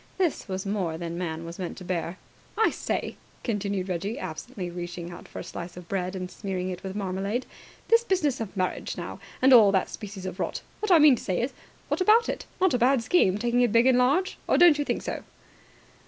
This was more than man was meant to bear. "I say," continued Reggie, absently reaching out for a slice of bread and smearing it with marmalade, "this business of marriage, now, and all that species of rot! What I mean to say is, what about it? Not a bad scheme, taking it by and large? Or don't you think so?"